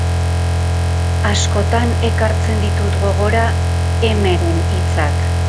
Askotan ekartzen ditut gogora M-ren hitzak.